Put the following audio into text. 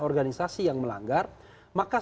organisasi yang melanggar maka